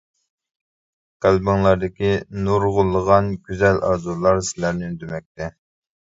قەلبىڭلاردىكى نۇرغۇنلىغان گۈزەل ئارزۇلار سىلەرنى ئۈندىمەكتە.